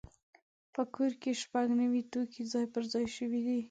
په کور کې شپږ نوي توکي ځای پر ځای شوي دي.